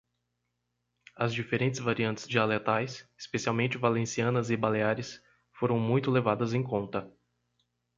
As diferentes variantes dialetais, especialmente valencianas e baleares, foram muito levadas em conta.